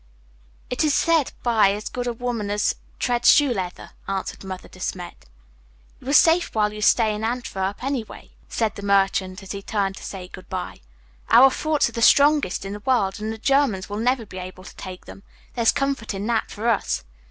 "It was said by as good a woman as treads shoe leather," answered Mother De Smet. "You are safe while you stay in Antwerp, anyway," said the merchant as he turned to say good bye. "Our forts are the strongest in the world and the Germans will never be able to take them. There's comfort in that for us."